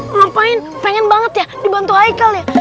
ngapain pengen banget ya dibantu icle ya